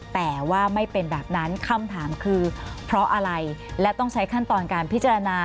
แต่ว่าไม่เป็นแบบนั้นคำถามคือเพราะอะไรและต้องใช้ขั้นตอนการพิจารณา